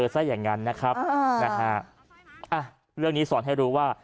ซะอย่างนั้นนะครับนะฮะเรื่องนี้สอนให้รู้ว่า